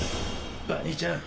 バニーちゃん！